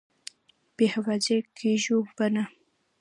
بې حافظې کېږو به نه!